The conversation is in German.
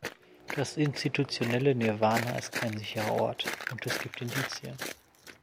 Das institutionelle Nirwana ist kein sicherer Ort, und es gibt Indizien.